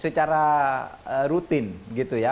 secara rutin gitu ya